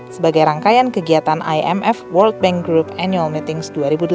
sebagai rangkaian kegiatan imf world bank group annual meetings dua ribu delapan belas